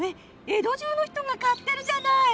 江戸中の人が買ってるじゃない！